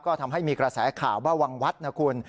ก็ทำให้มีกระแสข่าวว่าวังวัดนะคุณ